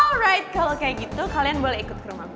alright kalo kayak gitu kalian boleh ikut ke rumah gue